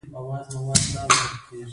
د شیرین بویې ریښه د معدې د زخم لپاره وکاروئ